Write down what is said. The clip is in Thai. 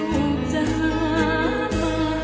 หลุมจะห่วง